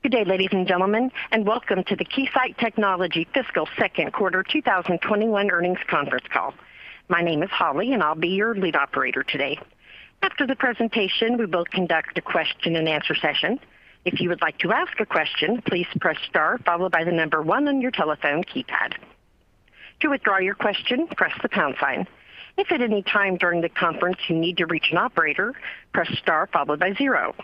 Good day, ladies and gentlemen, welcome to the Keysight Technologies fiscal 2nd quarter 2021 earnings conference call. My name is Holly, I'll be your lead operator today. After the presentation, we will conduct a question-and-answer session. If you would like to ask a question, please press star one on your telephone keypad. To withdraw your question, press the pound sign. If at any time during the conference you need to reach an operator, press star zero.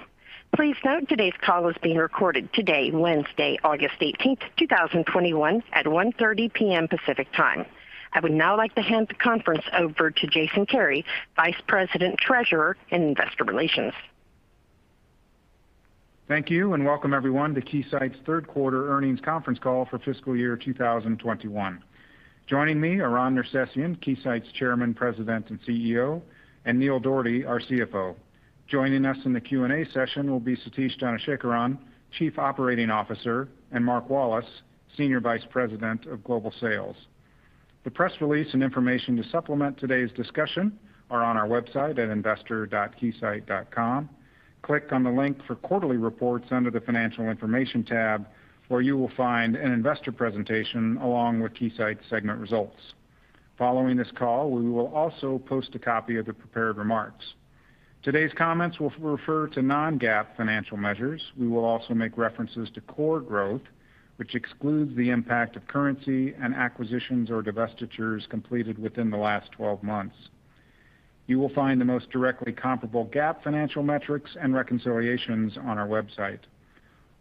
Please note today's call is being recorded today, Wednesday, August 18th, 2021, at 1:30 P.M. Pacific Time. I would now like to hand the conference over to Jason Kary, Vice President, Treasurer, and Investor Relations. Thank you. Welcome everyone to Keysight's third quarter earnings conference call for fiscal year 2021. Joining me are Ron Nersesian, Keysight's Chairman, President, and CEO, and Neil Dougherty, our CFO. Joining us in the Q&A session will be Satish Dhanasekaran, Chief Operating Officer, and Mark Wallace, Senior Vice President of Global Sales. The press release and information to supplement today's discussion are on our website at investor.keysight.com. Click on the link for quarterly reports under the Financial Information tab, where you will find an investor presentation along with Keysight segment results. Following this call, we will also post a copy of the prepared remarks. Today's comments will refer to non-GAAP financial measures. We will also make references to core growth, which excludes the impact of currency and acquisitions or divestitures completed within the last 12 months. You will find the most directly comparable GAAP financial metrics and reconciliations on our website.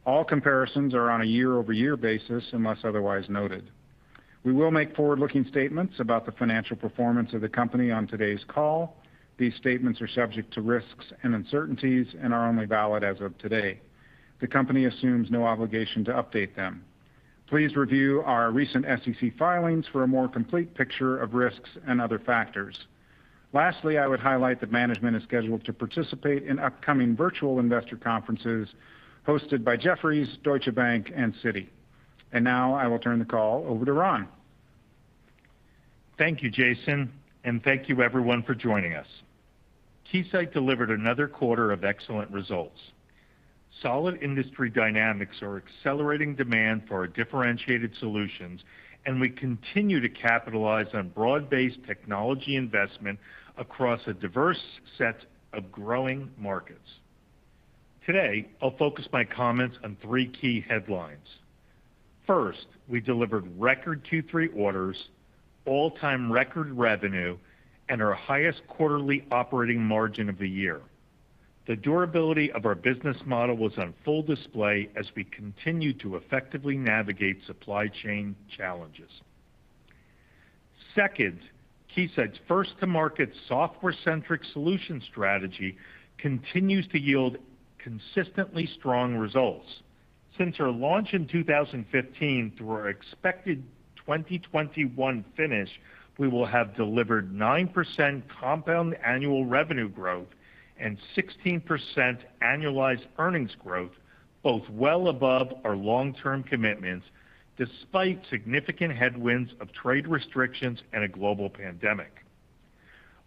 All comparisons are on a year-over-year basis unless otherwise noted. We will make forward-looking statements about the financial performance of the company on today's call. These statements are subject to risks and uncertainties and are only valid as of today. The company assumes no obligation to update them. Please review our recent SEC filings for a more complete picture of risks and other factors. Lastly, I would highlight that management is scheduled to participate in upcoming virtual investor conferences hosted by Jefferies, Deutsche Bank, and Citi. Now I will turn the call over to Ron. Thank you, Jason, and thank you everyone for joining us. Keysight delivered another quarter of excellent results. Solid industry dynamics are accelerating demand for our differentiated solutions, and we continue to capitalize on broad-based technology investment across a diverse set of growing markets. Today, I'll focus my comments on three key headlines. First, we delivered record Q3 orders, all-time record revenue, and our highest quarterly operating margin of the year. The durability of our business model was on full display as we continued to effectively navigate supply chain challenges. Second, Keysight's first-to-market software-centric solution strategy continues to yield consistently strong results. Since our launch in 2015 through our expected 2021 finish, we will have delivered 9% compound annual revenue growth and 16% annualized earnings growth, both well above our long-term commitments, despite significant headwinds of trade restrictions and a global pandemic.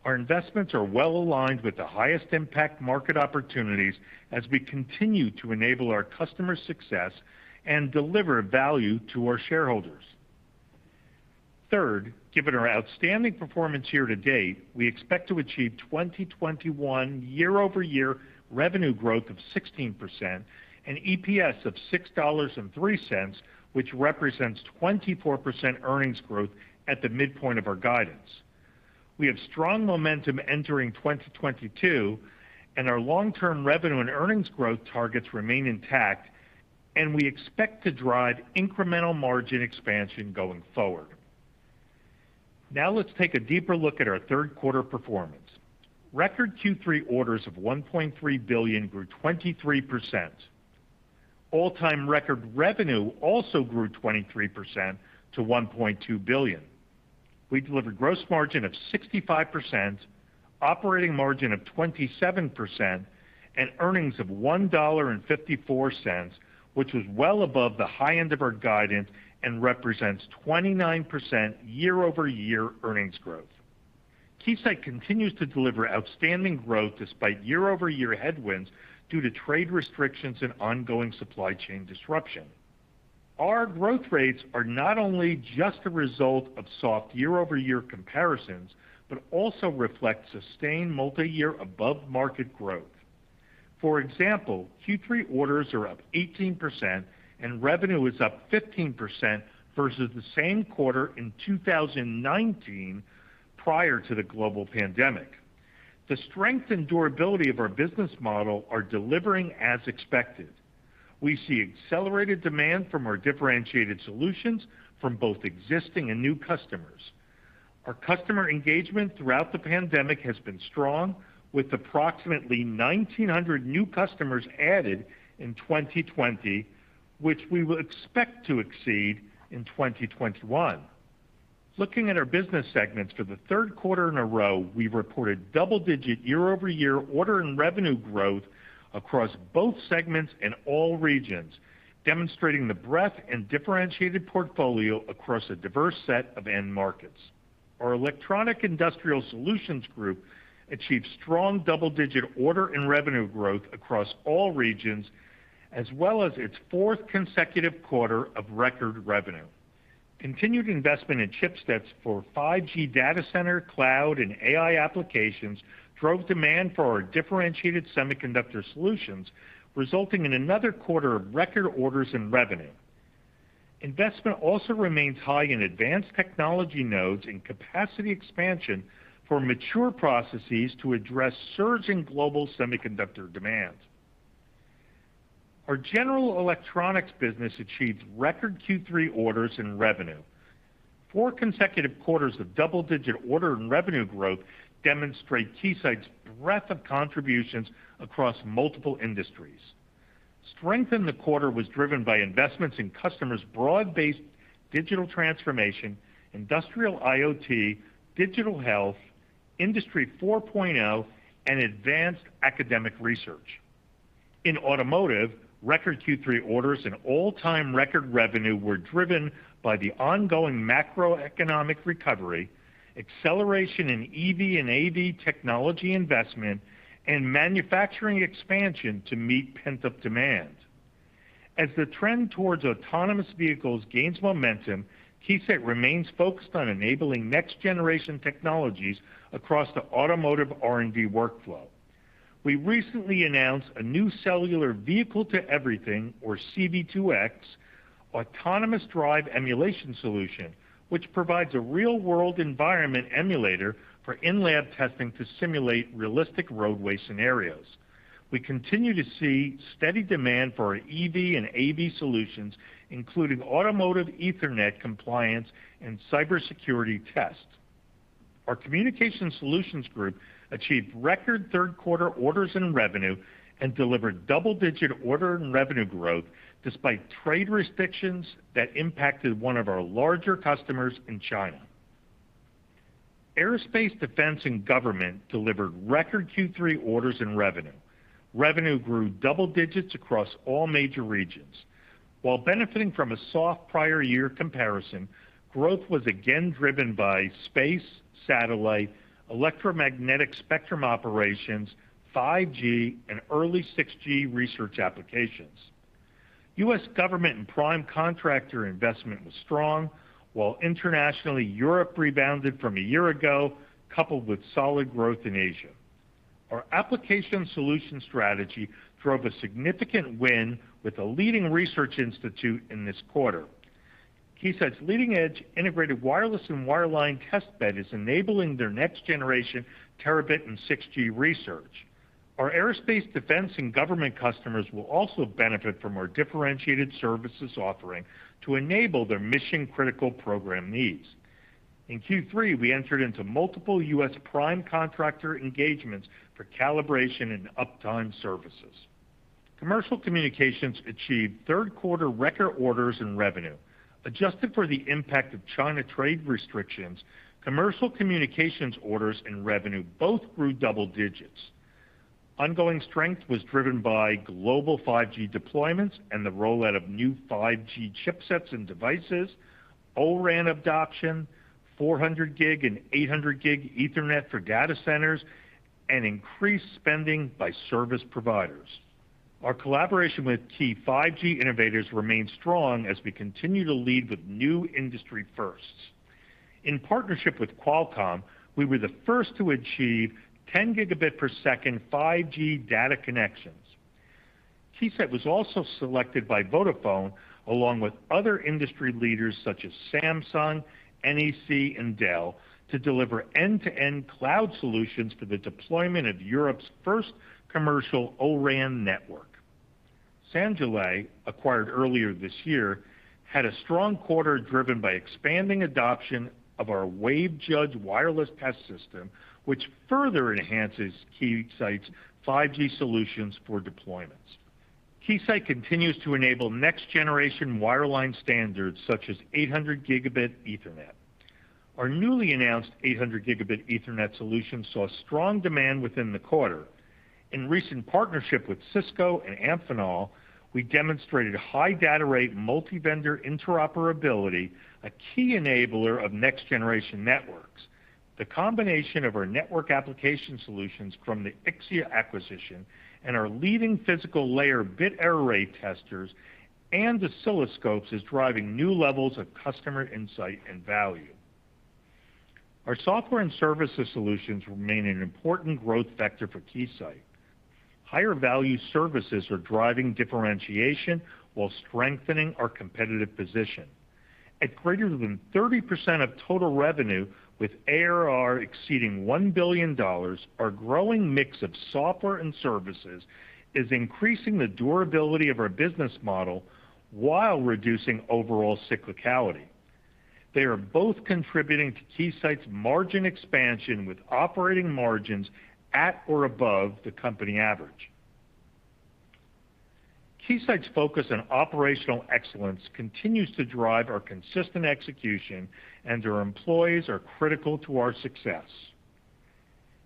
Our investments are well-aligned with the highest impact market opportunities as we continue to enable our customers' success and deliver value to our shareholders. Third, given our outstanding performance year-to-date, we expect to achieve 2021 year-over-year revenue growth of 16% and EPS of $6.03, which represents 24% earnings growth at the midpoint of our guidance. We have strong momentum entering 2022, and our long-term revenue and earnings growth targets remain intact, and we expect to drive incremental margin expansion going forward. Now let's take a deeper look at our third quarter performance. Record Q3 orders of $1.3 billion grew 23%. All-time record revenue also grew 23% to $1.2 billion. We delivered gross margin of 65%, operating margin of 27%, and earnings of $1.54, which was well above the high end of our guidance and represents 29% year-over-year earnings growth. Keysight continues to deliver outstanding growth despite year-over-year headwinds due to trade restrictions and ongoing supply chain disruption. Our growth rates are not only just a result of soft year-over-year comparisons, but also reflect sustained multi-year above-market growth. For example, Q3 orders are up 18% and revenue is up 15% versus the same quarter in 2019 prior to the global pandemic. The strength and durability of our business model are delivering as expected. We see accelerated demand from our differentiated solutions from both existing and new customers. Our customer engagement throughout the pandemic has been strong, with approximately 1,900 new customers added in 2020, which we will expect to exceed in 2021. Looking at our business segments for the third quarter in a row, we reported double-digit year-over-year order and revenue growth across both segments and all regions, demonstrating the breadth and differentiated portfolio across a diverse set of end markets. Our Electronic Industrial Solutions Group achieved strong double-digit order and revenue growth across all regions, as well as its fourth consecutive quarter of record revenue. Continued investment in chipsets for 5G data center, cloud, and AI applications drove demand for our differentiated semiconductor solutions, resulting in another quarter of record orders and revenue. Investment also remains high in advanced technology nodes and capacity expansion for mature processes to address surging global semiconductor demand. Our general electronics business achieved record Q3 orders and revenue. Four consecutive quarters of double-digit order and revenue growth demonstrate Keysight's breadth of contributions across multiple industries. Strength in the quarter was driven by investments in customers' broad-based digital transformation, industrial IoT, digital health, Industry 4.0, and advanced academic research. In automotive, record Q3 orders and all-time record revenue were driven by the ongoing macroeconomic recovery, acceleration in EV and AV technology investment, and manufacturing expansion to meet pent-up demand. As the trend towards autonomous vehicles gains momentum, Keysight remains focused on enabling next-generation technologies across the automotive R&D workflow. We recently announced a new cellular vehicle to everything, or C-V2X autonomous drive emulation solution, which provides a real-world environment emulator for in-lab testing to simulate realistic roadway scenarios. We continue to see steady demand for our EV and AV solutions, including automotive ethernet compliance and cybersecurity tests. Our Communications Solutions Group achieved record third-quarter orders and revenue and delivered double-digit order and revenue growth despite trade restrictions that impacted one of our larger customers in China. Aerospace, defense, and government delivered record Q3 orders and revenue. Revenue grew double digits across all major regions. While benefiting from a soft prior year comparison, growth was again driven by space, satellite, electromagnetic spectrum operations, 5G, and early 6G research applications. U.S. government and prime contractor investment was strong, while internationally, Europe rebounded from a year ago, coupled with solid growth in Asia. Our application solution strategy drove a significant win with a leading research institute in this quarter. Keysight's leading-edge integrated wireless and wireline test bed is enabling their next-generation terabit and 6G research. Our aerospace, defense, and government customers will also benefit from our differentiated services offering to enable their mission-critical program needs. In Q3, we entered into multiple U.S. prime contractor engagements for calibration and uptime services. Commercial communications achieved third-quarter record orders and revenue. Adjusted for the impact of China trade restrictions, commercial communications orders and revenue both grew double digits. Ongoing strength was driven by global 5G deployments and the rollout of new 5G chipsets and devices, O-RAN adoption, 400G and 800G ethernet for data centers, and increased spending by service providers. Our collaboration with key 5G innovators remains strong as we continue to lead with new industry firsts. In partnership with Qualcomm, we were the first to achieve 10 Gb per second 5G data connections. Keysight was also selected by Vodafone along with other industry leaders such as Samsung, NEC, and Dell to deliver end-to-end cloud solutions for the deployment of Europe's first commercial O-RAN network. Sanjole, acquired earlier this year, had a strong quarter driven by expanding adoption of our WaveJudge wireless test system, which further enhances Keysight's 5G solutions for deployments. Keysight continues to enable next-generation wireline standards such as 800 Gb ethernet. Our newly announced 800 Gb ethernet solution saw strong demand within the quarter. In recent partnership with Cisco and Amphenol, we demonstrated high data rate multi-vendor interoperability, a key enabler of next-generation networks. The combination of our network application solutions from the Ixia acquisition and our leading physical layer bit error rate testers and oscilloscopes is driving new levels of customer insight and value. Our software and services solutions remain an important growth vector for Keysight. Higher-value services are driving differentiation while strengthening our competitive position. At greater than 30% of total revenue with ARR exceeding $1 billion, our growing mix of software and services is increasing the durability of our business model while reducing overall cyclicality. They are both contributing to Keysight's margin expansion with operating margins at or above the company average. Keysight's focus on operational excellence continues to drive our consistent execution, and our employees are critical to our success.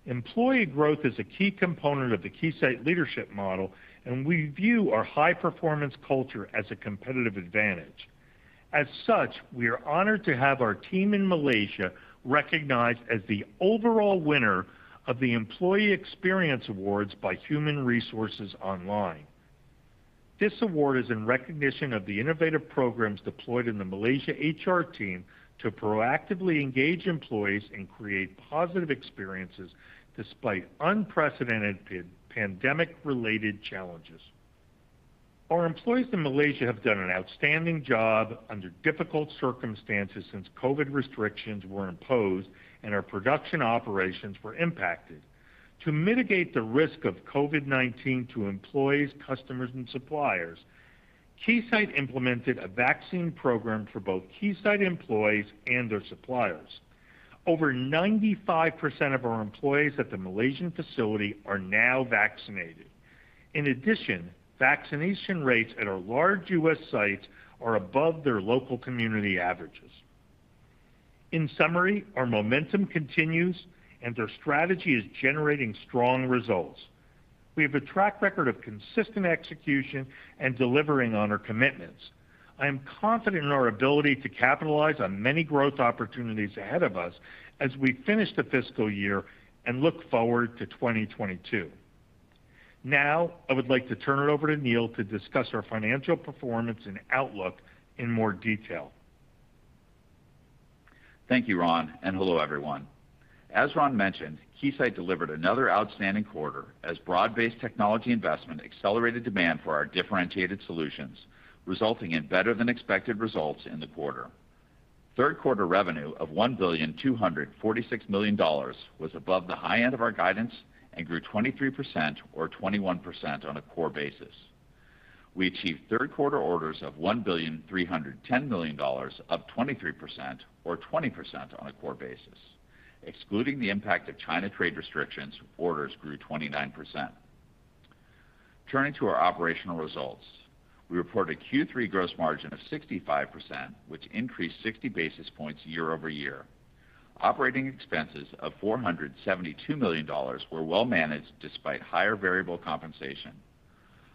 Employee growth is a key component of the Keysight leadership model, and we view our high-performance culture as a competitive advantage. As such, we are honored to have our team in Malaysia recognized as the overall winner of the Employee Experience Awards by Human Resources Online. This award is in recognition of the innovative programs deployed in the Malaysia HR team to proactively engage employees and create positive experiences despite unprecedented pandemic-related challenges. Our employees in Malaysia have done an outstanding job under difficult circumstances since COVID restrictions were imposed and our production operations were impacted. To mitigate the risk of COVID-19 to employees, customers, and suppliers, Keysight implemented a vaccine program for both Keysight employees and their suppliers. Over 95% of our employees at the Malaysian facility are now vaccinated. In addition, vaccination rates at our large U.S. sites are above their local community averages. In summary, our momentum continues, and our strategy is generating strong results. We have a track record of consistent execution and delivering on our commitments. I am confident in our ability to capitalize on many growth opportunities ahead of us as we finish the fiscal year and look forward to 2022. Now, I would like to turn it over to Neil to discuss our financial performance and outlook in more detail. Thank you, Ron. Hello, everyone. As Ron mentioned, Keysight delivered another outstanding quarter as broad-based technology investment accelerated demand for our differentiated solutions, resulting in better than expected results in the quarter. Third-quarter revenue of $1.246 billion was above the high end of our guidance and grew 23% or 21% on a core basis. We achieved third-quarter orders of $1.310 billion, up 23% or 20% on a core basis. Excluding the impact of China trade restrictions, orders grew 29%. Turning to our operational results, we reported a Q3 gross margin of 65%, which increased 60 basis points year-over-year. Operating expenses of $472 million were well managed despite higher variable compensation.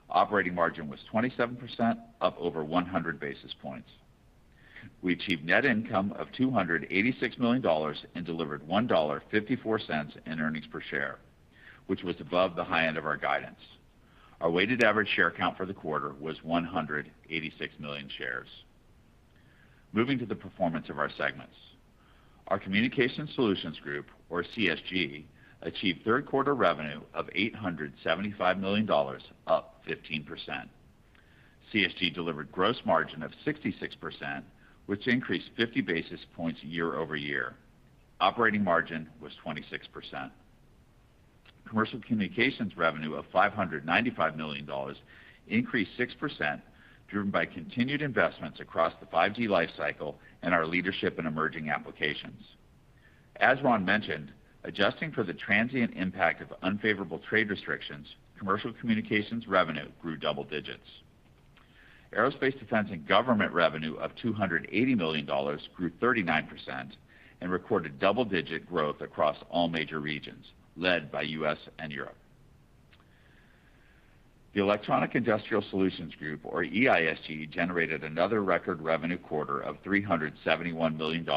Operating margin was 27%, up over 100 basis points. We achieved net income of $286 million and delivered $1.54 in earnings per share, which was above the high end of our guidance. Our weighted average share count for the quarter was 186 million shares. Moving to the performance of our segments. Our Communication Solutions Group, or CSG, achieved third-quarter revenue of $875 million, up 15%. CSG delivered gross margin of 66%, which increased 50 basis points year-over-year. Operating margin was 26%. Commercial Communications revenue of $595 million increased 6%, driven by continued investments across the 5G life cycle and our leadership in emerging applications. As Ron mentioned, adjusting for the transient impact of unfavorable trade restrictions, Commercial Communications revenue grew double digits. Aerospace, Defense, and Government revenue of $280 million grew 39% and recorded double-digit growth across all major regions, led by U.S. and Europe. The Electronic Industrial Solutions Group, or EISG, generated another record revenue quarter of $371 million,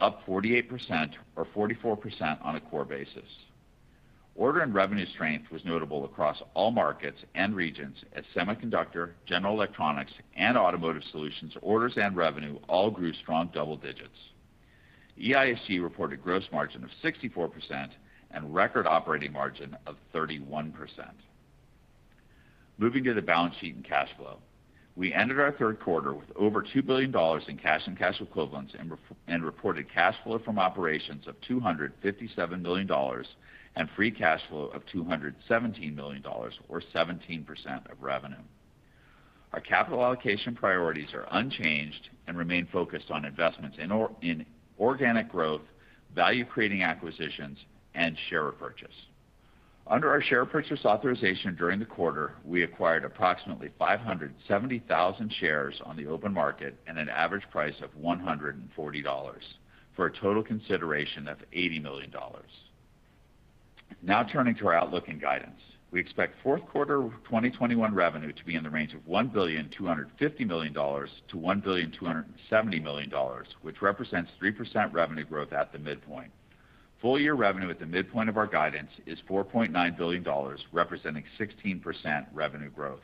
up 48% or 44% on a core basis. Order and revenue strength was notable across all markets and regions as semiconductor, general electronics, and automotive solutions orders and revenue all grew strong double digits. EISG reported gross margin of 64% and record operating margin of 31%. Moving to the balance sheet and cash flow. We ended our third quarter with over $2 billion in cash and cash equivalents and reported cash flow from operations of $257 million and free cash flow of $217 million, or 17% of revenue. Our capital allocation priorities are unchanged and remain focused on investments in organic growth, value-creating acquisitions, and share repurchase. Under our share repurchase authorization during the quarter, we acquired approximately 570,000 shares on the open market at an average price of $140 for a total consideration of $80 million. Now turning to our outlook and guidance. We expect 4th quarter 2021 revenue to be in the range of $1.25 billion-$1.27 billion, which represents 3% revenue growth at the midpoint. Full-year revenue at the midpoint of our guidance is $4.9 billion, representing 16% revenue growth.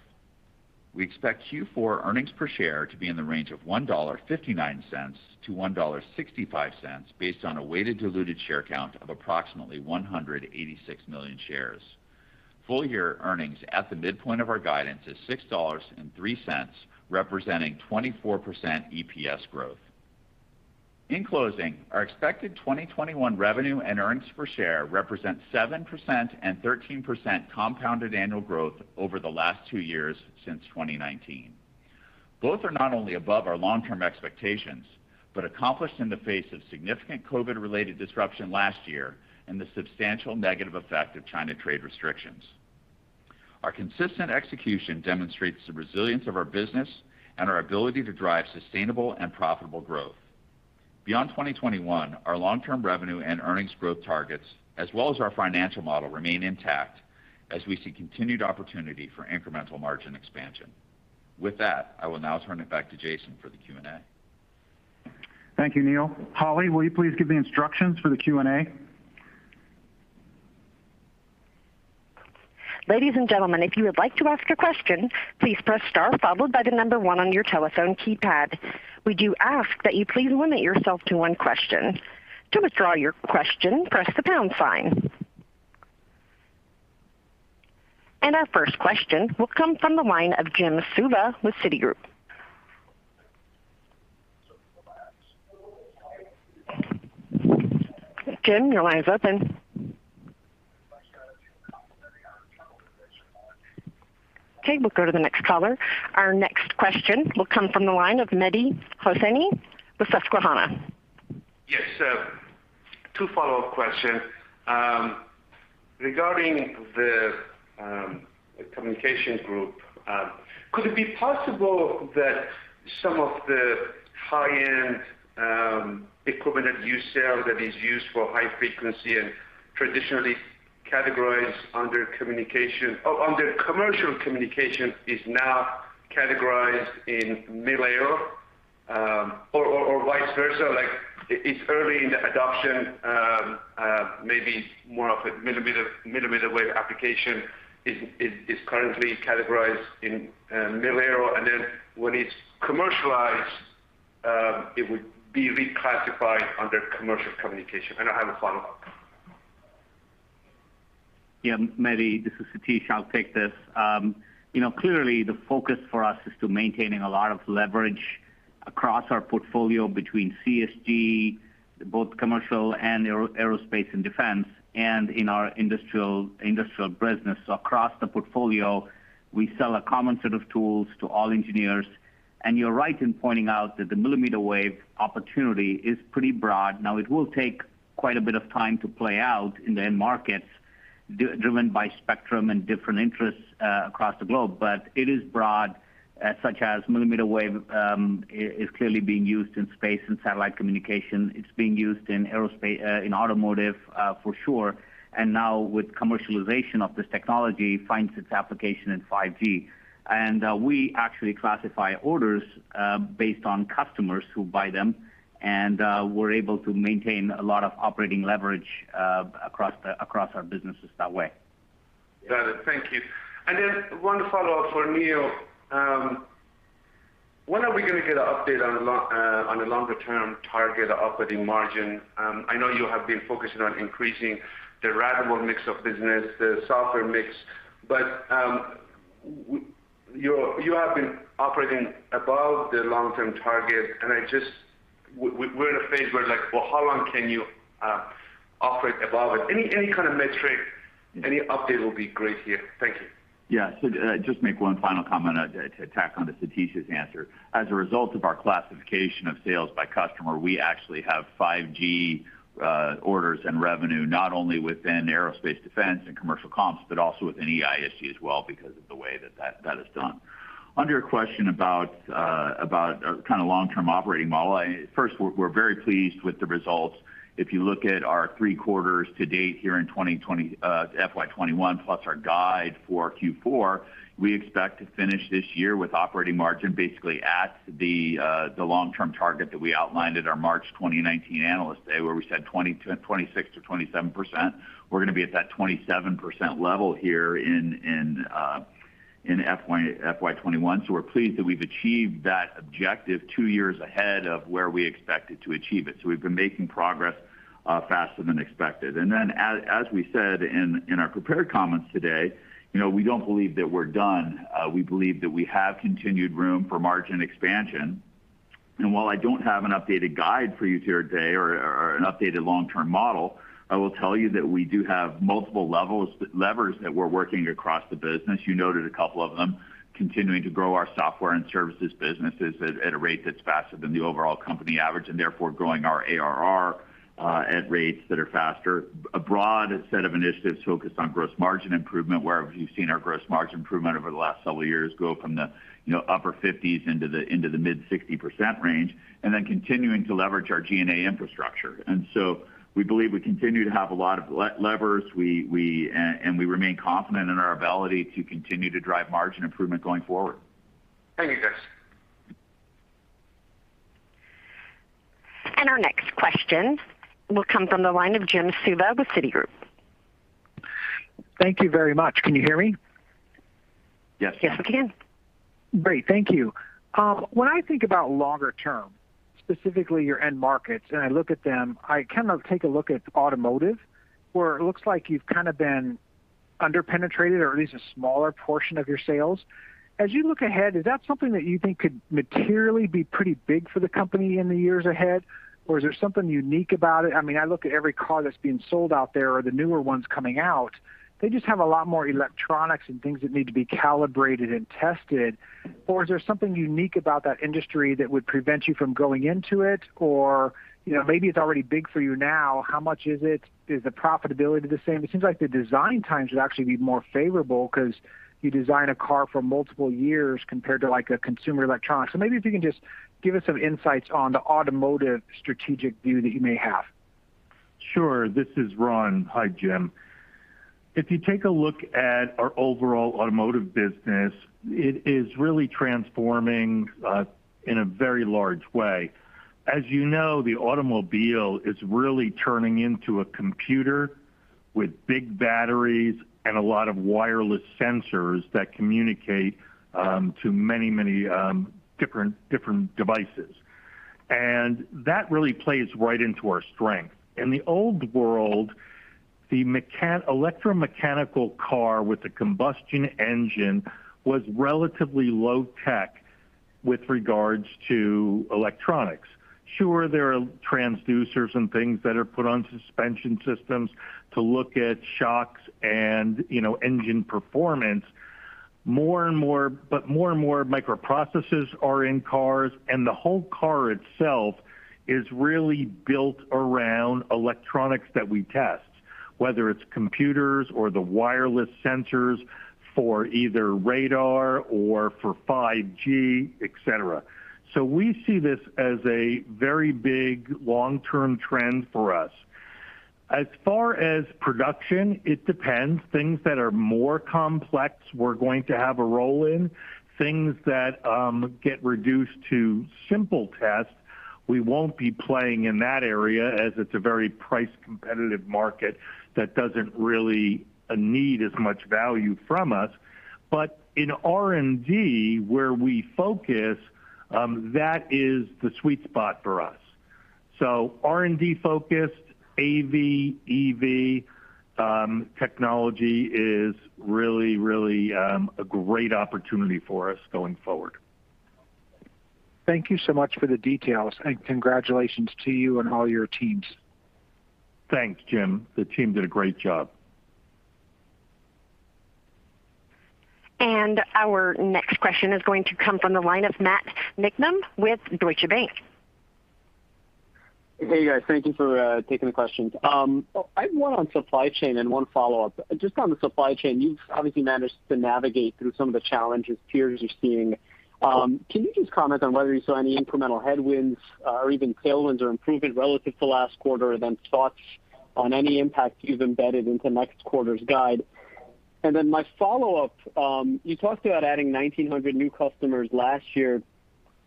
We expect Q4 earnings per share to be in the range of $1.59-$1.65, based on a weighted diluted share count of approximately 186 million shares. Full-year earnings at the midpoint of our guidance is $6.03, representing 24% EPS growth. In closing, our expected 2021 revenue and earnings per share represent 7% and 13% compounded annual growth over the last two years since 2019. Both are not only above our long-term expectations, but accomplished in the face of significant COVID-19-related disruption last year and the substantial negative effect of China trade restrictions. Our consistent execution demonstrates the resilience of our business and our ability to drive sustainable and profitable growth. Beyond 2021, our long-term revenue and earnings growth targets, as well as our financial model, remain intact as we see continued opportunity for incremental margin expansion. With that, I will now turn it back to Jason for the Q&A. Thank you, Neil. Holly, will you please give the instructions for the Q&A? Ladies and gentlemen, if you would like to ask a question please press star followed by number one on your telephone keypad. We do ask that you limit yourself to one question. To withdraw your question press the pound sign. Our first question will come from the line of Jim Suva with Citigroup. Jim, your line is open. Okay, we'll go to the next caller. Our next question will come from the line of Mehdi Hosseini with Susquehanna. Yes. Two follow-up questions. Regarding the Communication Group, could it be possible that some of the high-end equipment that you sell that is used for high frequency and traditionally categorized under commercial communication is now categorized in mil-aero, or vice versa? Like it's early in the adoption, maybe more of a millimeter wave application is currently categorized in mil-aero, and then when it's commercialized, it would be reclassified under commercial communication. I have a follow-up. Mehdi, this is Satish. I'll take this. Clearly the focus for us is to maintaining a lot of leverage across our portfolio between CSG, both commercial and aerospace and defense, and in our industrial business. Across the portfolio, we sell a common set of tools to all engineers, and you're right in pointing out that the millimeter wave opportunity is pretty broad. It will take quite a bit of time to play out in the end markets driven by spectrum and different interests across the globe. It is broad, such as millimeter wave is clearly being used in space and satellite communication. It's being used in automotive for sure, and now with commercialization of this technology finds its application in 5G. We actually classify orders based on customers who buy them, and we're able to maintain a lot of operating leverage across our businesses that way. Got it. Thank you. One follow-up for Neil. When are we going to get an update on the longer-term target operating margin? I know you have been focusing on increasing the ratable mix of business, the software mix, but you have been operating above the long-term target and we're in a phase where like, well, how long can you operate above it? Any kind of metric, any update will be great here. Thank you. Yeah. Just make one final comment to tack onto Satish's answer. As a result of our classification of sales by customer, we actually have 5G orders and revenue, not only within aerospace defense and commercial comps, but also within EISG as well because of the way that is done. On your question about long-term operating model, first, we're very pleased with the results. If you look at our 3 quarters to date here in FY 2021, plus our guide for Q4, we expect to finish this year with operating margin basically at the long-term target that we outlined at our March 2019 Analyst Day where we said 26%-27%. We're going to be at that 27% level here in FY 2021. We're pleased that we've achieved that objective two years ahead of where we expected to achieve it. We've been making progress faster than expected. As we said in our prepared comments today, we don't believe that we're done. We believe that we have continued room for margin expansion. While I don't have an updated guide for you here today or an updated long-term model, I will tell you that we do have multiple levers that we're working across the business. You noted a couple of them, continuing to grow our software and services businesses at a rate that's faster than the overall company average, and therefore growing our ARR at rates that are faster. A broad set of initiatives focused on gross margin improvement, where you've seen our gross margin improvement over the last several years go from the upper 50s into the mid 60% range, and then continuing to leverage our G&A infrastructure. We believe we continue to have a lot of levers, and we remain confident in our ability to continue to drive margin improvement going forward. Thank you, guys. Our next question will come from the line of Jim Suva with Citigroup. Thank you very much. Can you hear me? Yes. Yes, we can. Great. Thank you. When I think about longer term, specifically your end markets, and I look at them, I kind of take a look at automotive, where it looks like you've kind of been under-penetrated or at least a smaller portion of your sales. As you look ahead, is that something that you think could materially be pretty big for the company in the years ahead, or is there something unique about it? I look at every car that's being sold out there or the newer ones coming out, they just have a lot more electronics and things that need to be calibrated and tested. Is there something unique about that industry that would prevent you from going into it? Maybe it's already big for you now. How much is it? Is the profitability the same? It seems like the design times would actually be more favorable because you design a car for multiple years compared to a consumer electronics. Maybe if you can just give us some insights on the automotive strategic view that you may have. Sure. This is Ron. Hi, Jim. You take a look at our overall automotive business, it is really transforming in a very large way. As you know, the automobile is really turning into a computer with big batteries and a lot of wireless sensors that communicate to many different devices. That really plays right into our strength. In the old world, the electromechanical car with the combustion engine was relatively low tech with regards to electronics. Sure, there are transducers and things that are put on suspension systems to look at shocks and engine performance, more and more microprocessors are in cars, and the whole car itself is really built around electronics that we test, whether it's computers or the wireless sensors for either radar or for 5G, et cetera. We see this as a very big long-term trend for us. As far as production, it depends. Things that are more complex, we're going to have a role in. Things that get reduced to simple tests, we won't be playing in that area, as it's a very price-competitive market that doesn't really need as much value from us. In R&D, where we focus, that is the sweet spot for us. R&D-focused AV, EV technology is really a great opportunity for us going forward. Thank you so much for the details. Congratulations to you and all your teams. Thanks, Jim. The team did a great job. Our next question is going to come from the line of Matt Niknam with Deutsche Bank. Hey, guys. Thank you for taking the questions. I have one on supply chain and one follow-up. Just on the supply chain, you've obviously managed to navigate through some of the challenges peers are seeing. Can you just comment on whether you saw any incremental headwinds or even tailwinds or improvement relative to last quarter, and then thoughts on any impact you've embedded into next quarter's guide? My follow-up, you talked about adding 1,900 new customers last year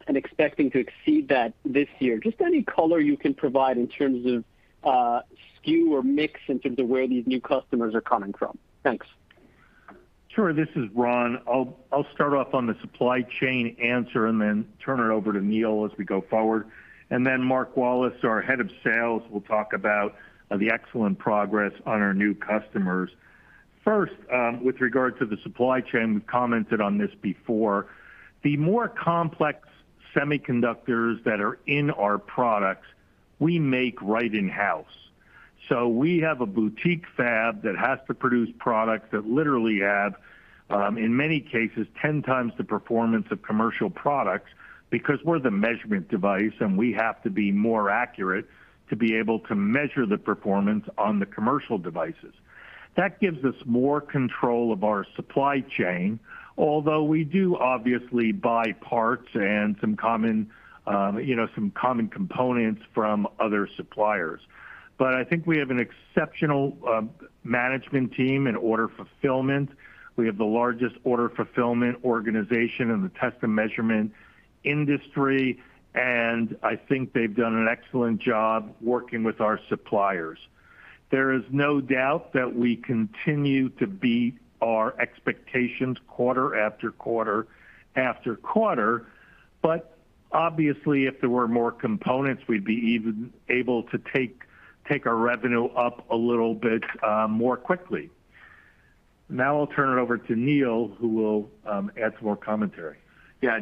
and expecting to exceed that this year. Just any color you can provide in terms of SKU or mix in terms of where these new customers are coming from. Thanks. Sure. This is Ron. I'll start off on the supply chain answer and then turn it over to Neil Dougherty as we go forward. Mark Wallace, our Head of Sales, will talk about the excellent progress on our new customers. With regard to the supply chain, we've commented on this before. The more complex semiconductors that are in our products, we make right in-house. We have a boutique fab that has to produce products that literally have, in many cases, 10 times the performance of commercial products because we're the measurement device, and we have to be more accurate to be able to measure the performance on the commercial devices. That gives us more control of our supply chain, although we do obviously buy parts and some common components from other suppliers. I think we have an exceptional management team in order fulfillment. We have the largest order fulfillment organization in the test and measurement industry. I think they've done an excellent job working with our suppliers. There is no doubt that we continue to beat our expectations quarter after quarter. Obviously, if there were more components, we'd be even able to take our revenue up a little bit more quickly. I'll turn it over to Neil, who will add some more commentary. Yeah.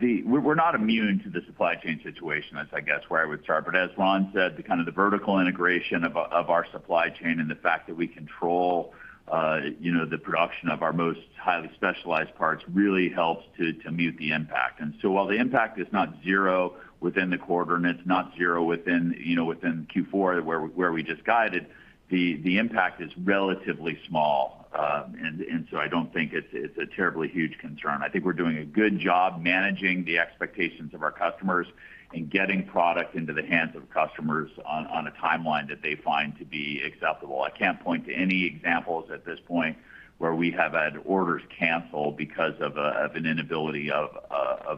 We're not immune to the supply chain situation. That's, I guess, where I would start. As Ron said, the kind of vertical integration of our supply chain and the fact that we control the production of our most highly specialized parts really helps to mute the impact. While the impact is not zero within the quarter, and it's not zero within Q4, where we just guided, the impact is relatively small. I don't think it's a terribly huge concern. I think we're doing a good job managing the expectations of our customers and getting product into the hands of customers on a timeline that they find to be acceptable. I can't point to any examples at this point where we have had orders canceled because of an inability of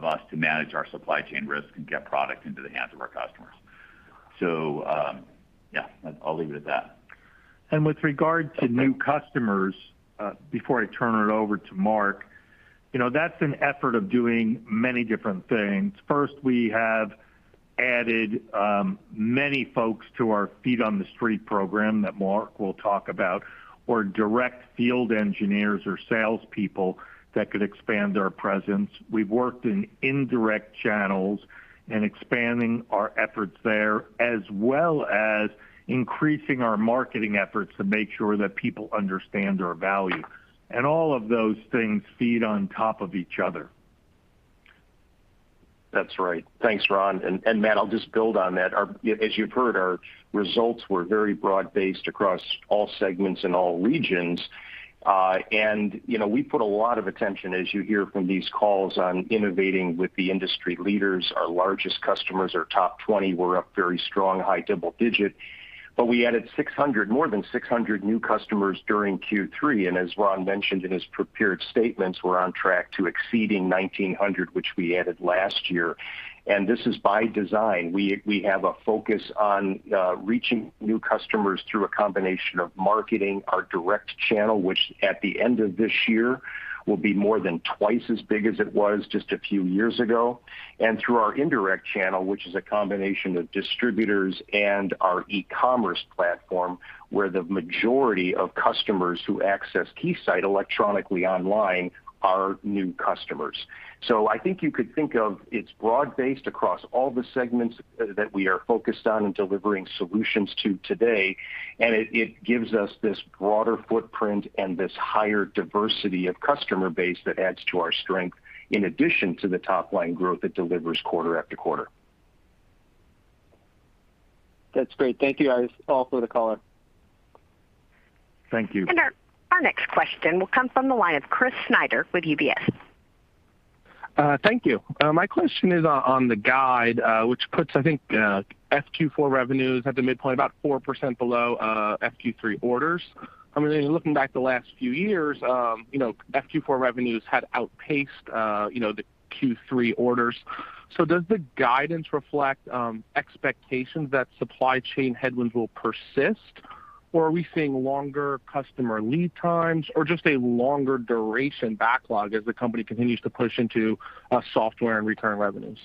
us to manage our supply chain risk and get product into the hands of our customers. Yeah. I'll leave it at that. With regard to new customers, before I turn it over to Mark, that's an effort of doing many different things. First, we have added many folks to our feet-on-the-street program that Mark will talk about, or direct field engineers or salespeople that could expand our presence. We've worked in indirect channels and expanding our efforts there, as well as increasing our marketing efforts to make sure that people understand our value. All of those things feed on top of each other. That's right. Thanks, Ron. Matt, I'll just build on that. As you've heard, our results were very broad-based across all segments and all regions. We put a lot of attention, as you hear from these calls, on innovating with the industry leaders. Our largest customers, our top 20 were up very strong, high double-digit. We added more than 600 new customers during Q3, and as Ron mentioned in his prepared statements, we're on track to exceeding 1,900, which we added last year. This is by design. We have a focus on reaching new customers through a combination of marketing, our direct channel, which at the end of this year will be more than twice as big as it was just a few years ago, and through our indirect channel, which is a combination of distributors and our e-commerce platform, where the majority of customers who access Keysight electronically online are new customers. I think you could think of, it's broad-based across all the segments that we are focused on and delivering solutions to today, and it gives us this broader footprint and this higher diversity of customer base that adds to our strength, in addition to the top-line growth it delivers quarter after quarter. That's great. Thank you, guys. I'll offload the call. Thank you. Our next question will come from the line of Chris Snyder with UBS. Thank you. My question is on the guide, which puts, I think, FQ4 revenues at the midpoint about 4% below FQ3 orders. I mean, looking back the last few years, FQ4 revenues had outpaced the Q3 orders. Does the guidance reflect expectations that supply chain headwinds will persist, or are we seeing longer customer lead times, or just a longer duration backlog as the company continues to push into software and return revenues?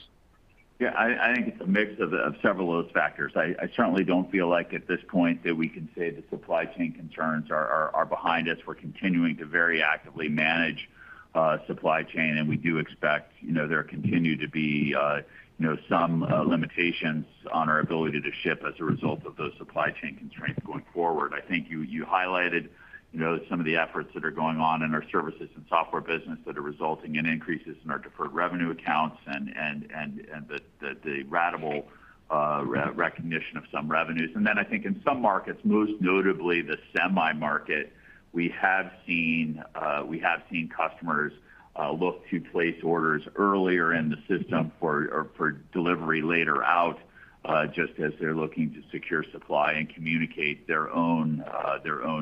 Yeah, I think it's a mix of several of those factors. I certainly don't feel like at this point that we can say the supply chain concerns are behind us. We're continuing to very actively manage supply chain, and we do expect there continue to be some limitations on our ability to ship as a result of those supply chain constraints going forward. I think you highlighted some of the efforts that are going on in our services and software business that are resulting in increases in our deferred revenue accounts and the ratable recognition of some revenues. Then I think in some markets, most notably the semi market, we have seen customers look to place orders earlier in the system for delivery later out, just as they're looking to secure supply and communicate their own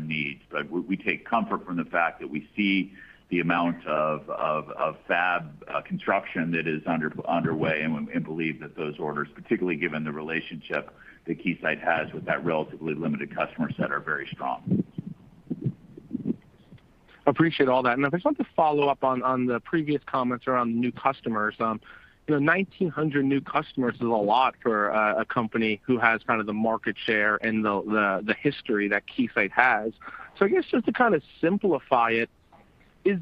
needs. We take comfort from the fact that we see the amount of fab construction that is underway and believe that those orders, particularly given the relationship that Keysight has with that relatively limited customer set, are very strong. Appreciate all that. I just want to follow up on the previous comments around new customers. 1,900 new customers is a lot for a company who has kind of the market share and the history that Keysight has. I guess just to kind of simplify it, is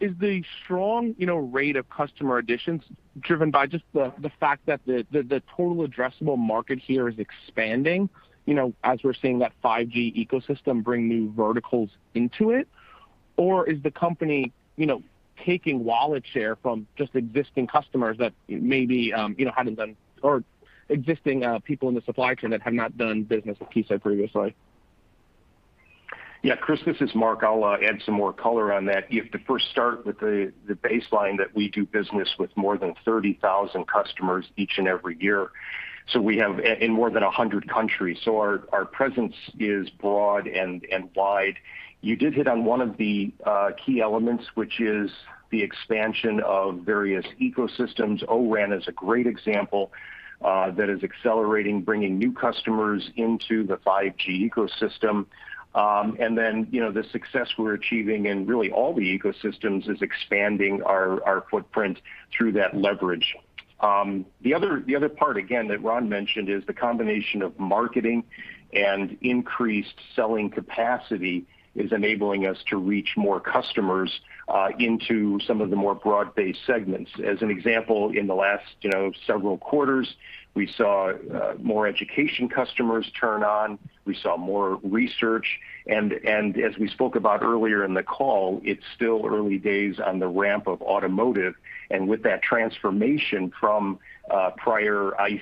the strong rate of customer additions driven by just the fact that the total addressable market here is expanding, as we're seeing that 5G ecosystem bring new verticals into it? Or is the company taking wallet share from just existing customers that maybe hadn't done, or existing people in the supply chain that have not done business with Keysight previously? Yeah, Chris, this is Mark. I'll add some more color on that. You have to first start with the baseline that we do business with more than 30,000 customers each and every year, in more than 100 countries. Our presence is broad and wide. You did hit on one of the key elements, which is the expansion of various ecosystems. O-RAN is a great example that is accelerating, bringing new customers into the 5G ecosystem. The success we're achieving in really all the ecosystems is expanding our footprint through that leverage. The other part, again, that Ron mentioned is the combination of marketing and increased selling capacity is enabling us to reach more customers into some of the more broad-based segments. As an example, in the last several quarters, we saw more education customers turn on. We saw more research, and as we spoke about earlier in the call, it's still early days on the ramp of automotive. With that transformation from prior ICE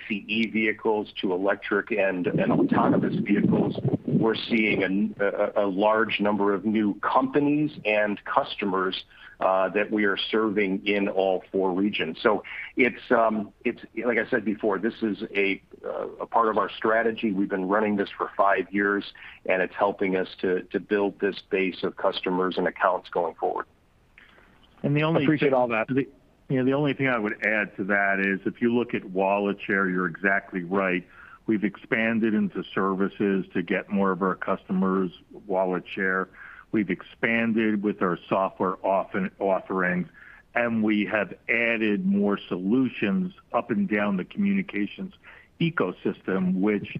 vehicles to electric and autonomous vehicles, we're seeing a large number of new companies and customers that we are serving in all four regions. It's, like I said before, this is a part of our strategy. We've been running this for five years, and it's helping us to build this base of customers and accounts going forward. And the only thing- Appreciate all that. The only thing I would add to that is if you look at wallet share, you're exactly right. We've expanded into services to get more of our customers' wallet share. We've expanded with our software offerings, and we have added more solutions up and down the communications ecosystem, which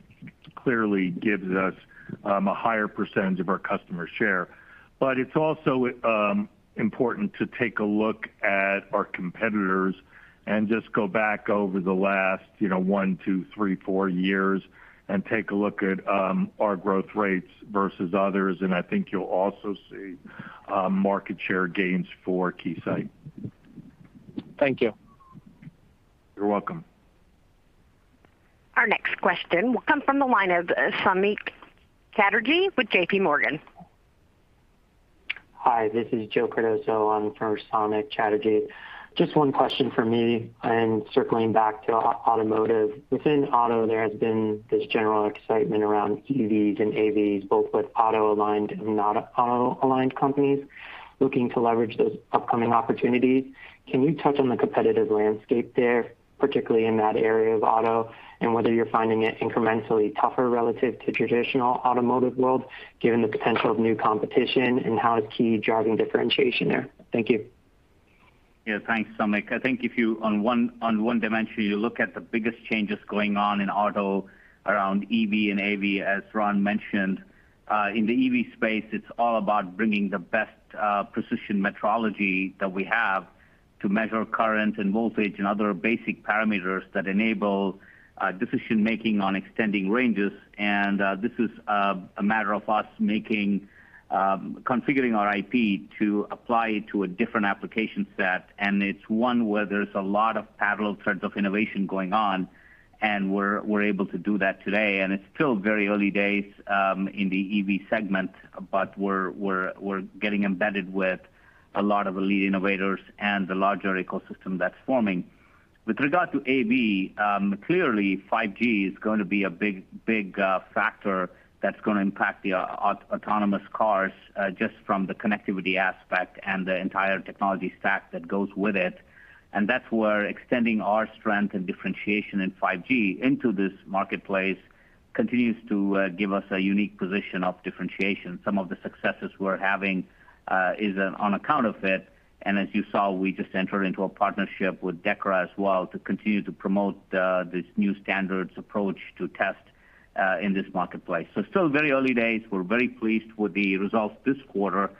clearly gives us a higher percent of our customer share. It's also important to take a look at our competitors and just go back over the last one, two, three, four years and take a look at our growth rates versus others, and I think you'll also see market share gains for Keysight. Thank you. You're welcome. This question will come from the line of Samik Chatterjee with JPMorgan. Hi, this is Joe Cardoso. I'm from Samik Chatterjee. Just one question from me, and circling back to automotive. Within auto, there has been this general excitement around EVs and AVs, both with auto-aligned and not auto-aligned companies looking to leverage those upcoming opportunities. Can you touch on the competitive landscape there, particularly in that area of auto, and whether you're finding it incrementally tougher relative to traditional automotive world, given the potential of new competition, and how is Keysight driving differentiation there? Thank you. Yeah. Thanks, Samik. I think if you, on one dimension, you look at the biggest changes going on in auto around EV and AV, as Ron mentioned. In the EV space, it's all about bringing the best precision metrology that we have to measure current and voltage and other basic parameters that enable decision-making on extending ranges. This is a matter of us configuring our IP to apply it to a different application set, and it's one where there's a lot of parallel threads of innovation going on, and we're able to do that today. It's still very early days in the EV segment, but we're getting embedded with a lot of the lead innovators and the larger ecosystem that's forming. With regard to AV, clearly 5G is going to be a big factor that's going to impact the autonomous cars, just from the connectivity aspect and the entire technology stack that goes with it. That's where extending our strength and differentiation in 5G into this marketplace continues to give us a unique position of differentiation. Some of the successes we're having is on account of it, and as you saw, we just entered into a partnership with DEKRA as well to continue to promote this new standards approach to test in this marketplace. It's still very early days. We're very pleased with the results this quarter.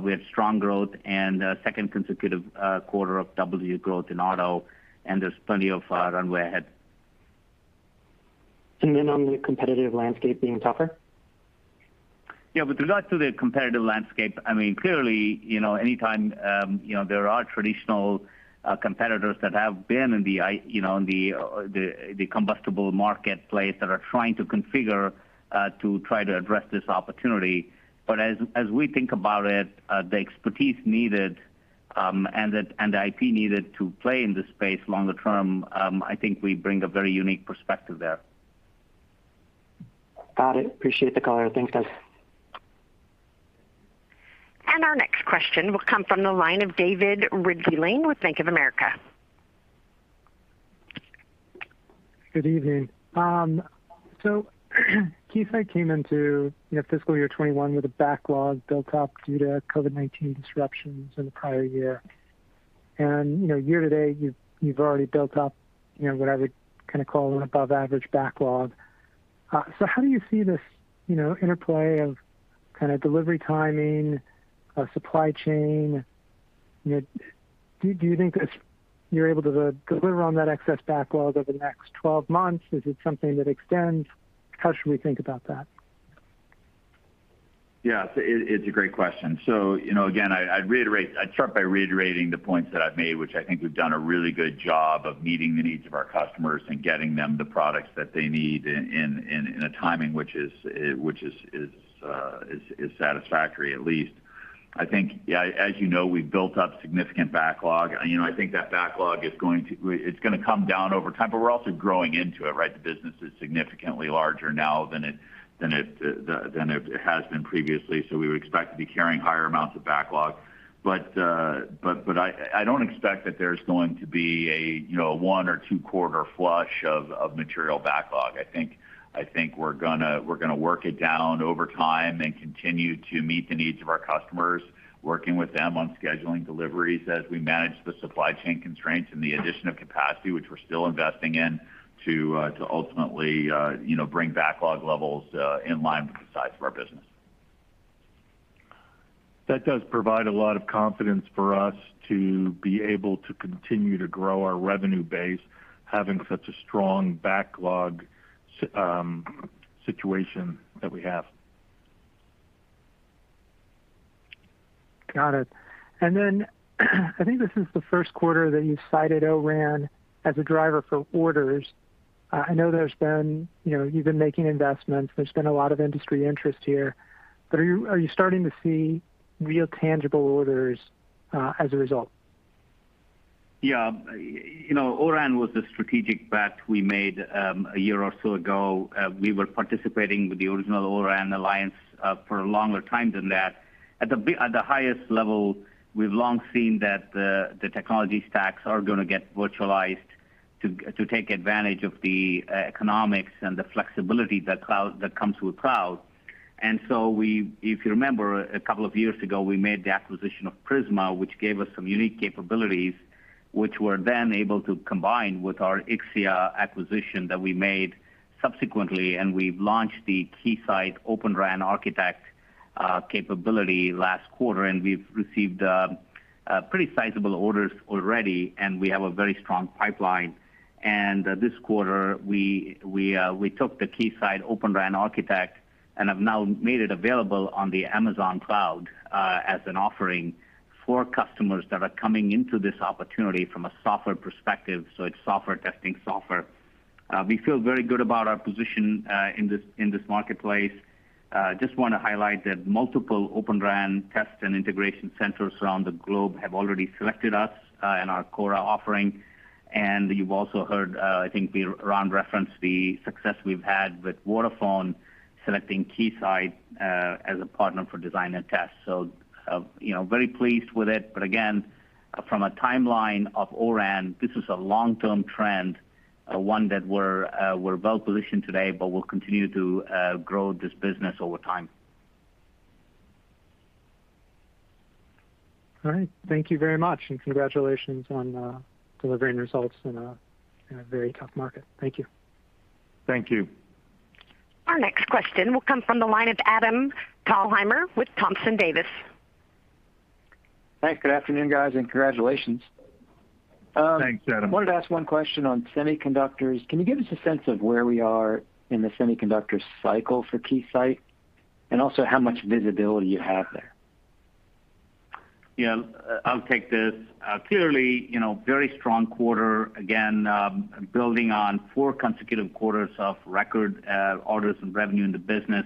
We had strong growth and a second consecutive quarter of double unit growth in auto, and there's plenty of runway ahead. On the competitive landscape being tougher? Yeah. With regard to the competitive landscape, clearly, any time there are traditional competitors that have been in the competitive marketplace that are trying to configure to try to address this opportunity. As we think about it, the expertise needed, and the IP needed to play in this space longer term, I think we bring a very unique perspective there. Got it. Appreciate the color. Thanks, guys. Our next question will come from the line of David Ridley-Lane with Bank of America. Good evening. Keysight, I came into fiscal year 2021 with a backlog built up due to COVID-19 disruptions in the prior year. Year to date, you've already built up what I would call an above average backlog. How do you see this interplay of delivery timing, supply chain? Do you think you're able to deliver on that excess backlog over the next 12 months? Is it something that extends? How should we think about that? Yeah. It's a great question. Again, I'd start by reiterating the points that I've made, which I think we've done a really good job of meeting the needs of our customers and getting them the products that they need in a timing which is satisfactory, at least. I think as you know, we've built up significant backlog. I think that backlog, it's going to come down over time, but we're also growing into it, right? The business is significantly larger now than it has been previously. We would expect to be carrying higher amounts of backlog. I don't expect that there's going to be a one or two-quarter flush of material backlog. I think we're going to work it down over time and continue to meet the needs of our customers, working with them on scheduling deliveries as we manage the supply chain constraints and the addition of capacity, which we're still investing in to ultimately bring backlog levels in line with the size of our business. That does provide a lot of confidence for us to be able to continue to grow our revenue base, having such a strong backlog situation that we have. Got it. I think this is the first quarter that you've cited O-RAN as a driver for orders. I know you've been making investments. There's been a lot of industry interest here. Are you starting to see real tangible orders as a result? Yeah. O-RAN was a strategic bet we made a year or so ago. We were participating with the original O-RAN alliance for a longer time than that. At the highest level, we've long seen that the technology stacks are going to get virtualized to take advantage of the economics and the flexibility that comes with cloud. If you remember, a couple of years ago, we made the acquisition of PRISMA, which gave us some unique capabilities, which we're then able to combine with our Ixia acquisition that we made subsequently. We've launched the Keysight Open RAN Architect capability last quarter, and we've received pretty sizable orders already, and we have a very strong pipeline. This quarter, we took the Keysight Open RAN Architect and have now made it available on the Amazon Cloud as an offering for customers that are coming into this opportunity from a software perspective, so it's software testing software. We feel very good about our position in this marketplace. Just want to highlight that multiple Open RAN test and integration centers around the globe have already selected us and our KORA offering. You've also heard, I think Ron referenced the success we've had with Vodafone selecting Keysight as a partner for design and test. Very pleased with it. Again, from a timeline of O-RAN, this is a long-term trend, one that we're well-positioned today, but we'll continue to grow this business over time. All right. Thank you very much. Congratulations on delivering results in a very tough market. Thank you. Thank you. Our next question will come from the line of Adam Thalhimer with Thompson Davis. Thanks. Good afternoon, guys, and congratulations. Thanks, Adam. Wanted to ask one question on semiconductors. Can you give us a sense of where we are in the semiconductor cycle for Keysight? Also, how much visibility you have there? Yeah. I'll take this. Clearly, very strong quarter again, building on four consecutive quarters of record orders and revenue in the business.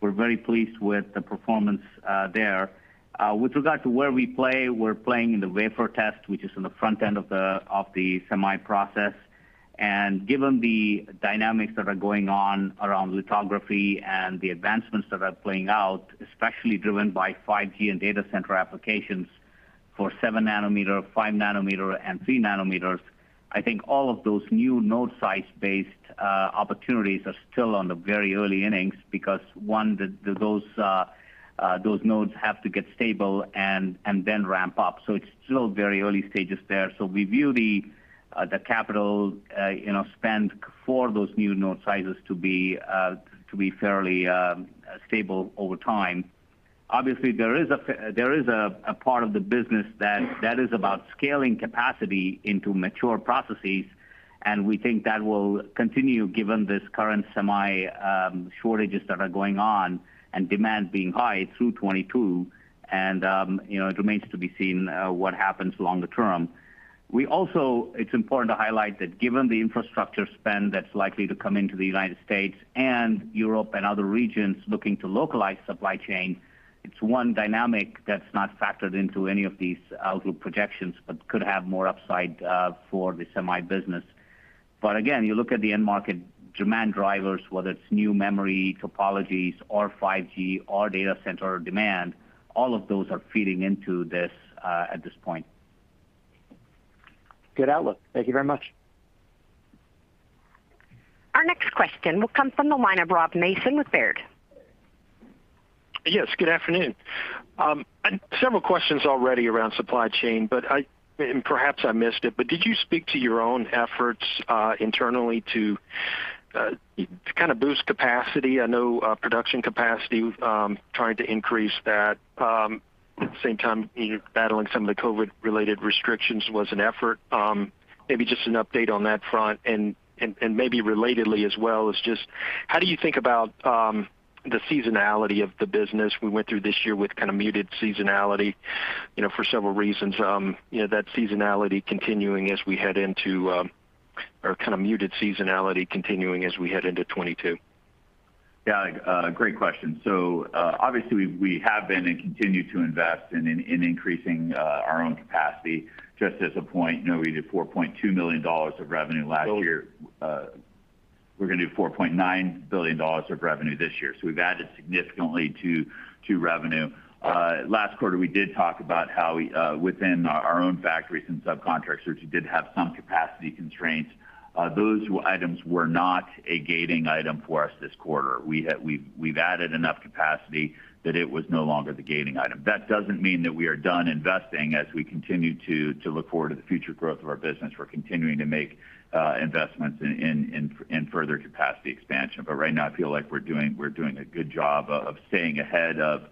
We're very pleased with the performance there. With regard to where we play, we're playing in the wafer test, which is in the front end of the semi process. Given the dynamics that are going on around lithography and the advancements that are playing out, especially driven by 5G and data center applications for 7 nanometer, 5 nanometer, and 3 nanometers, I think all of those new node size-based opportunities are still on the very early innings because, one, those nodes have to get stable and then ramp up. It's still very early stages there. We view the capital spend for those new node sizes to be fairly stable over time. Obviously, there is a part of the business that is about scaling capacity into mature processes. We think that will continue given this current semi shortages that are going on and demand being high through 2022. It remains to be seen what happens longer term. It's important to highlight that given the infrastructure spend that's likely to come into the United States and Europe and other regions looking to localize supply chain, it's one dynamic that's not factored into any of these outlook projections, but could have more upside for the semi business. Again, you look at the end market demand drivers, whether it's new memory topologies or 5G or data center demand, all of those are feeding into this at this point. Good outlook. Thank you very much. Our next question will come from the line of Rob Mason with Baird. Yes, good afternoon. Several questions already around supply chain. Perhaps I missed it, but did you speak to your own efforts internally to kind of boost capacity? I know production capacity, trying to increase that. At the same time, battling some of the COVID-related restrictions was an effort. Maybe just an update on that front. Maybe relatedly as well is just how do you think about the seasonality of the business? We went through this year with kind of muted seasonality, for several reasons. That seasonality continuing as we head into, or kind of muted seasonality continuing as we head into 2022. Yeah. Great question. Obviously we have been and continue to invest in increasing our own capacity. Just as a point, we did $4.2 million of revenue last year. We're going to do $4.9 billion of revenue this year. We've added significantly to revenue. Last quarter, we did talk about how within our own factories and subcontractors, which did have some capacity constraints, those items were not a gating item for us this quarter. We've added enough capacity that it was no longer the gating item. That doesn't mean that we are done investing as we continue to look forward to the future growth of our business. We're continuing to make investments in further capacity expansion. Right now, I feel like we're doing a good job of staying ahead of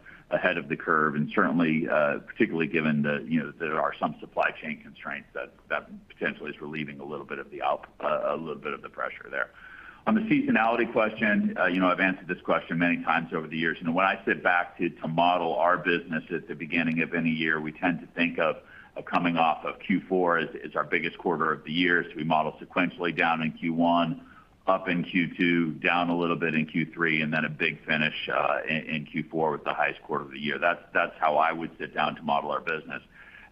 the curve and certainly, particularly given that there are some supply chain constraints that potentially is relieving a little bit of the pressure there. On the seasonality question, I've answered this question many times over the years. When I sit back to model our business at the beginning of any year, we tend to think of coming off of Q4 as our biggest quarter of the year. We model sequentially down in Q1, up in Q2, down a little bit in Q3, and then a big finish in Q4 with the highest quarter of the year. That's how I would sit down to model our business.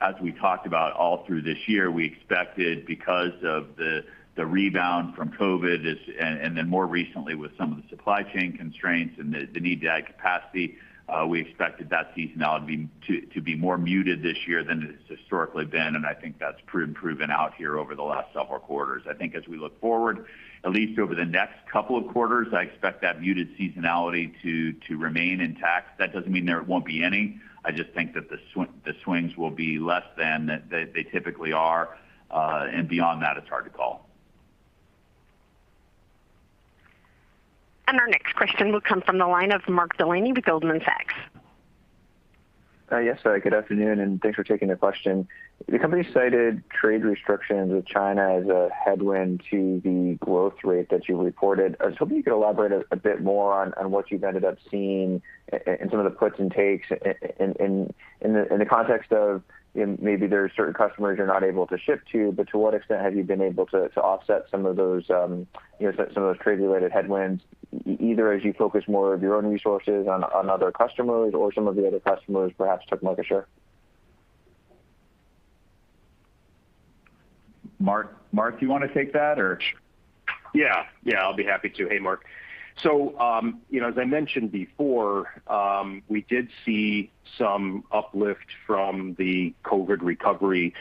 As we talked about all through this year, we expected, because of the rebound from COVID, and then more recently with some of the supply chain constraints and the need to add capacity, we expected that seasonality to be more muted this year than it has historically been, and I think that's proven out here over the last several quarters. I think as we look forward, at least over the next couple of quarters, I expect that muted seasonality to remain intact. That doesn't mean there won't be any. I just think that the swings will be less than they typically are. Beyond that, it's hard to call. Our next question will come from the line of Mark Delaney with Goldman Sachs. Yes. Good afternoon, and thanks for taking the question. The company cited trade restrictions with China as a headwind to the growth rate that you reported. I was hoping you could elaborate a bit more on what you've ended up seeing and some of the puts and takes in the context of maybe there are certain customers you're not able to ship to, but to what extent have you been able to offset some of those trade-related headwinds, either as you focus more of your own resources on other customers or some of the other customers perhaps took market share? Mark, do you want to take that or- Yeah. I'll be happy to. Hey, Mark. As I mentioned before, we did see some uplift from the COVID recovery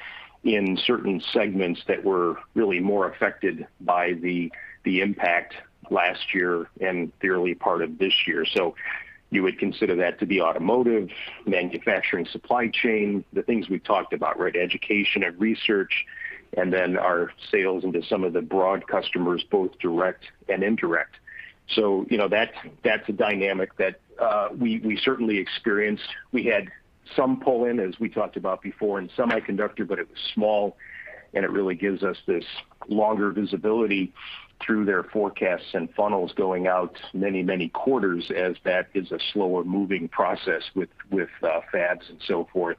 in certain segments that were really more affected by the impact last year and the early part of this year. You would consider that to be automotive, manufacturing supply chain, the things we've talked about, right? Education and research, and then our sales into some of the broad customers, both direct and indirect. That's a dynamic that we certainly experienced. We had some pull in, as we talked about before in semiconductor, but it was small, and it really gives us this longer visibility through their forecasts and funnels going out many, many quarters as that is a slower-moving process with fabs and so forth.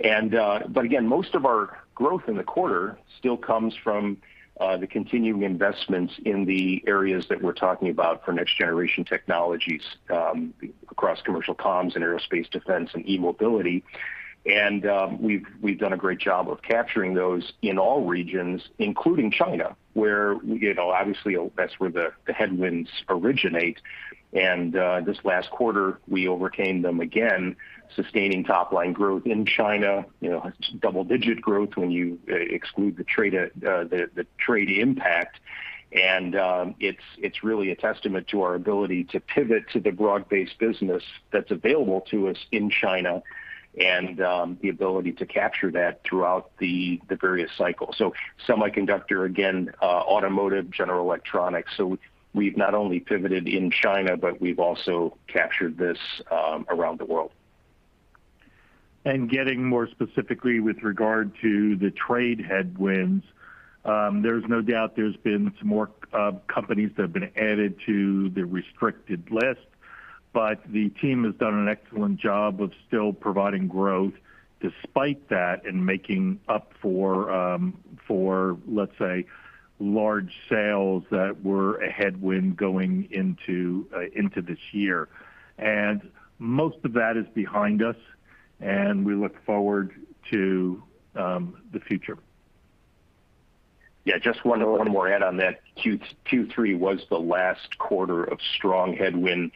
But again, most of our growth in the quarter still comes from the continuing investments in the areas that we're talking about for next-generation technologies, across commercial comms and aerospace defense and e-mobility. We've done a great job of capturing those in all regions, including China, where obviously that's where the headwinds originate. This last quarter, we overcame them again, sustaining top-line growth in China. It's double-digit growth when you exclude the trade impact. It's really a testament to our ability to pivot to the broad-based business that's available to us in China and the ability to capture that throughout the various cycles. Semiconductor again, automotive, general electronics. We've not only pivoted in China, but we've also captured this around the world. Getting more specifically with regard to the trade headwinds, there's no doubt there's been some more companies that have been added to the restricted list, but the team has done an excellent job of still providing growth despite that and making up for, let's say, large sales that were a headwind going into this year. Most of that is behind us, and we look forward to the future. Yeah, just one more add on that. Q3 was the last quarter of strong headwind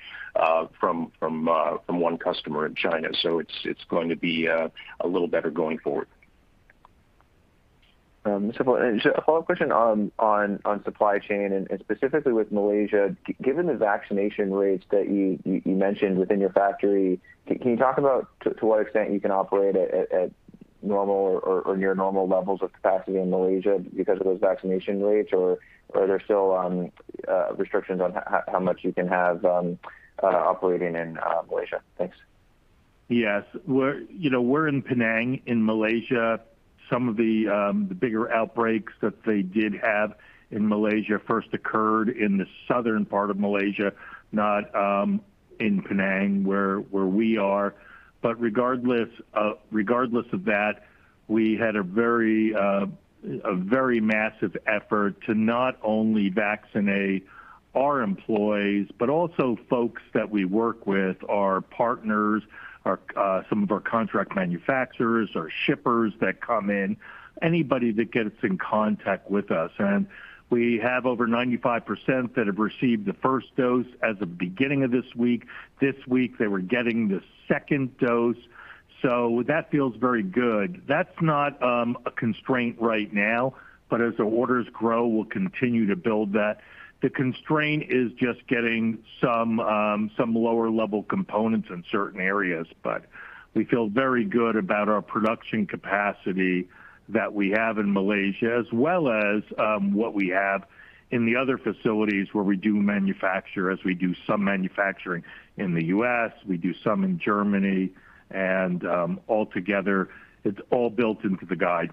from one customer in China. It's going to be a little better going forward. Just a follow-up question on supply chain and specifically with Malaysia. Given the vaccination rates that you mentioned within your factory, can you talk about to what extent you can operate at normal or near normal levels of capacity in Malaysia because of those vaccination rates? Are there still restrictions on how much you can have operating in Malaysia? Thanks. Yes. We're in Penang, in Malaysia. Some of the bigger outbreaks that they did have in Malaysia first occurred in the southern part of Malaysia, not in Penang, where we are. Regardless of that, we had a very massive effort to not only vaccinate our employees but also folks that we work with, our partners, some of our contract manufacturers, our shippers that come in, anybody that gets in contact with us. We have over 95% that have received the first dose as of beginning of this week. This week, they were getting the second dose, so that feels very good. That's not a constraint right now, but as the orders grow, we'll continue to build that. The constraint is just getting some lower-level components in certain areas. We feel very good about our production capacity that we have in Malaysia, as well as what we have in the other facilities where we do manufacture, as we do some manufacturing in the U.S., we do some in Germany, and altogether, it's all built into the guide.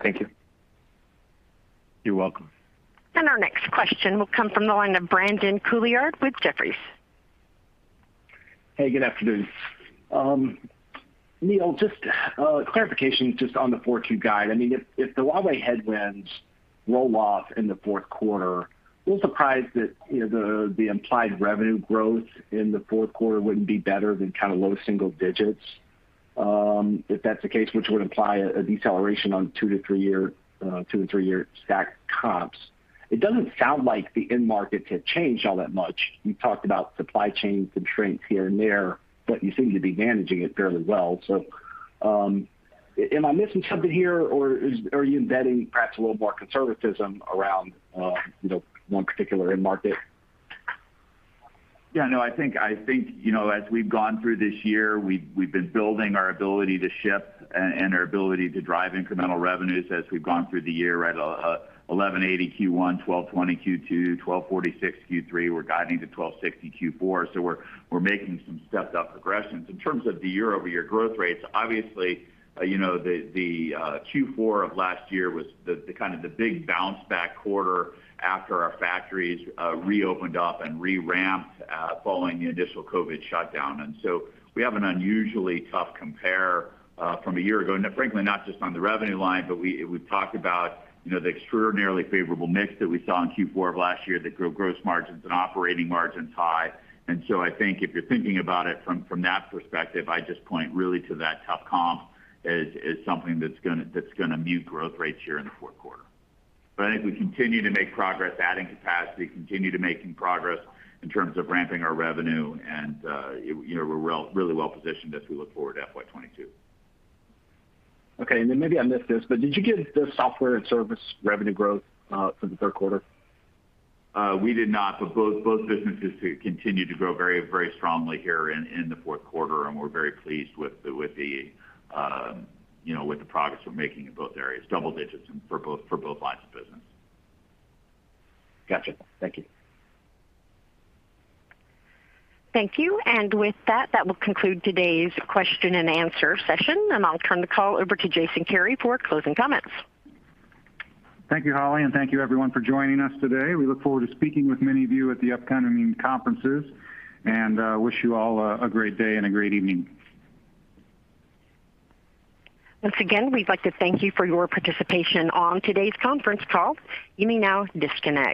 Thank you. You're welcome. Our next question will come from the line of Brandon Couillard with Jefferies. Hey, good afternoon. Neil, just a clarification just on the [fourth quarter] guide. If the Huawei headwinds roll off in the fourth quarter, a little surprised that the implied revenue growth in the fourth quarter wouldn't be better than kind of low single digits, if that's the case, which would imply a deceleration on two-three year stacked comps. It doesn't sound like the end market had changed all that much. You talked about supply chain constraints here and there, but you seem to be managing it fairly well. Am I missing something here, or are you embedding perhaps a little more conservatism around one particular end market? Yeah, no, I think, as we've gone through this year, we've been building our ability to ship and our ability to drive incremental revenues as we've gone through the year. $1,180 Q1, $1,220 Q2, $1,246 Q3. We're guiding to $1,260 Q4. We're making some stepped-up progressions. In terms of the year-over-year growth rates, obviously, the Q4 of last year was kind of the big bounce-back quarter after our factories reopened up and re-ramped following the initial COVID-19 shutdown. Frankly, not just on the revenue line, but we've talked about the extraordinarily favorable mix that we saw in Q4 of last year that grew gross margins and operating margins high. I think if you're thinking about it from that perspective, I just point really to that tough comp as something that's going to mute growth rates here in the fourth quarter. I think we continue to make progress adding capacity, continue to making progress in terms of ramping our revenue, and we're really well-positioned as we look forward to FY 2022. Okay. Maybe I missed this, but did you give the software and service revenue growth for the third quarter? We did not, but both businesses continue to grow very strongly here in the fourth quarter, and we're very pleased with the progress we're making in both areas, double digits for both lines of business. Got you. Thank you. Thank you. With that will conclude today's question and answer session, and I'll turn the call over to Jason Kary for closing comments. Thank you, Holly, and thank you everyone for joining us today. We look forward to speaking with many of you at the upcoming conferences and wish you all a great day and a great evening. Once again, we'd like to thank you for your participation on today's conference call. You may now disconnect.